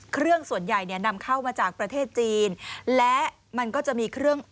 เครื่องส่วนใหญ่นำเข้ามาจากประเทศจีน